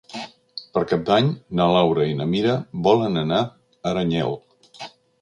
Per Cap d'Any na Laura i na Mira volen anar a Aranyel.